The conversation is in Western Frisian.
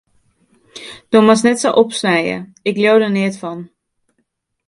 Do moatst net sa opsnije, ik leau der neat fan.